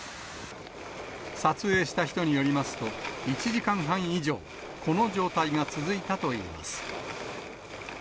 撮影した人によりますと、１時間半以上、この状態が続いたといいます。